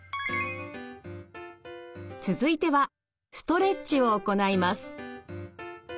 続いてはストレッチを行います。